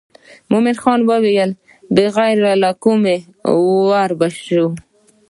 مومن خان وویل پر غیر کوو ور به شو.